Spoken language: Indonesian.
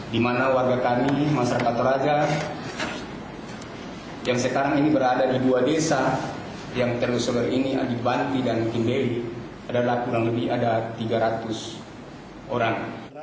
di mana warga kami masyarakat toraja yang sekarang ini berada di dua desa yang terlalu selalu ini adibanti dan timberi adalah kurang lebih ada tiga ratus orang